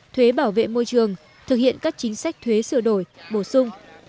thuế bảo vệ môi trường thực hiện các chính sách thuế sửa đổi bổ sung